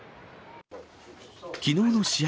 きのうの試合